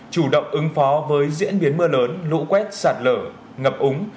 chủ động ứng phó với diễn biến mưa lớn lũ quét sạt lở ngập úng